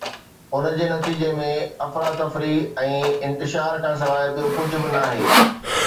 ان جي نتيجي ۾ افراتفري ۽ انتشار کانسواءِ ٻيو ڪجهه به ناهي